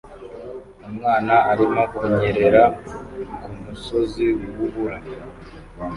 Umwana arimo kunyerera kumusozi wubura